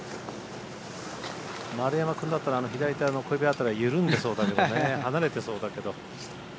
丸山君だったらあの左手の小指、緩んでそうで離れてそうだけど。